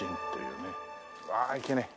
うわっいけねえ。